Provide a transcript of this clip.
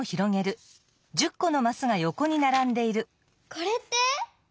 これって？